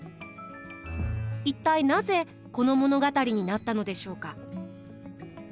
一体なぜこの物語になったのでしょうか？